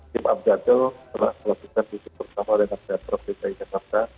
tim abjadil telah selesai dikutuk sama renak jatara dki jakarta